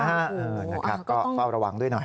โอ้โฮอ่าก็ต้องเฝ้าระวังด้วยหน่อย